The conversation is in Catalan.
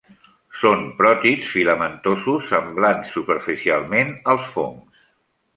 Són protists filamentosos semblants superficialment als fongs.